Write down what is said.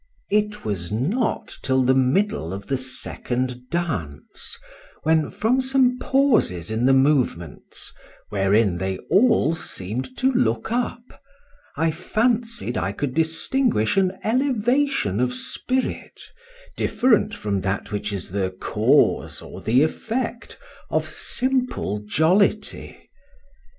It was not till the middle of the second dance, when, from some pauses in the movements, wherein they all seemed to look up, I fancied I could distinguish an elevation of spirit different from that which is the cause or the effect of simple jollity.